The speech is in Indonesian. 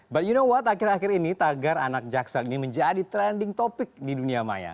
but you know what akhir akhir ini tagar anak jaksel ini menjadi trending topic di dunia maya